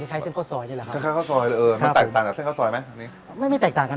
คล้ายเส้นข้าวสอยนี่แหละครับ